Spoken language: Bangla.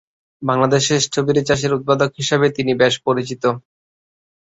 বাংলাদেশে স্ট্রবেরি চাষের উদ্ভাবক হিসেবে তিনি বেশি পরিচিত।